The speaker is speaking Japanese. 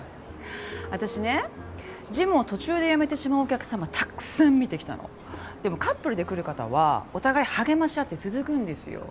私ねジムを途中でやめてしまうお客様たくさん見てきたのでもカップルで来る方はお互い励まし合って続くんですよ